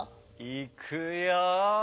いくよ。